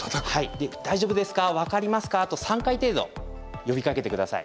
で「大丈夫ですか？分かりますか？」と３回程度呼びかけて下さい。